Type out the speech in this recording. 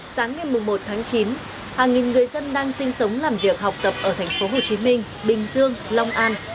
sáng ngày một tháng chín hàng nghìn người dân đang sinh sống làm việc học tập ở thành phố hồ chí minh bình dương long an